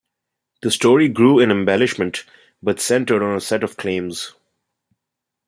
The story grew in embellishment but centred on a set of claims.